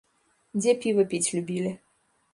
Дзе піва піць любілі?